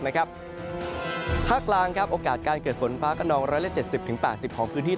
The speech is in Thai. ภาคกลางโอกาสการเกิดฝนฟ้ากระนอง๑๗๐๘๐ของพื้นที่